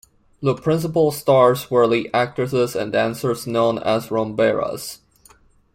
The principal stars were the actresses and dancers known as "Rumberas".